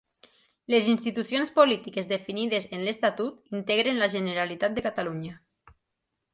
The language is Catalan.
Les institucions polítiques definides en l'Estatut integren la Generalitat de Catalunya.